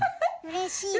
うれしい。